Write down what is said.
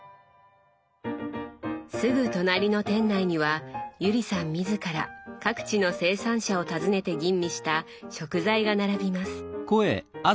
すぐ隣の店内には友里さん自ら各地の生産者を訪ねて吟味した食材が並びます。